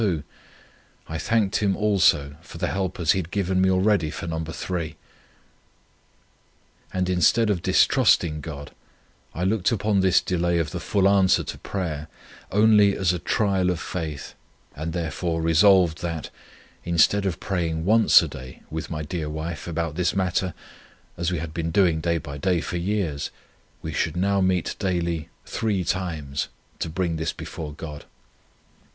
2; I thanked Him, also, for the helpers He had given me already for No. 3; and instead of distrusting God, I looked upon this delay of the full answer to prayer, only as a trial of faith, and therefore resolved, that, instead of praying once a day with my dear wife about this matter, as we had been doing day by day for years, we should now meet daily three times, to bring this before God.